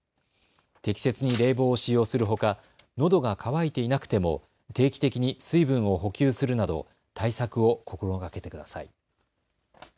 適切に冷房を使用するほかのどが渇いていなくても定期的に水分を補給するなど対策を心がけてください。